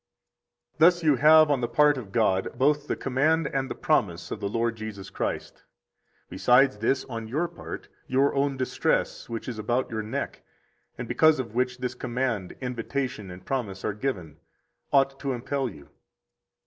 71 Thus you have, on the part of God, both the command and the promise of the Lord Jesus Christ. Besides this, on your part, your own distress which is about your neck, and because of which this command, invitation, and promise are given, ought to impel you.